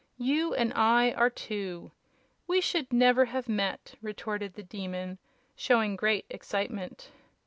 You and I are two. We should never had met!" retorted the Demon, showing great excitement.